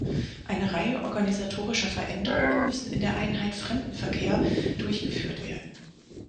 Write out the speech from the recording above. Eine Reihe organisatorischer Veränderungen müssen in der Einheit Fremdenverkehr durchgeführt werden.